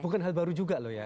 bukan hal baru juga loh ya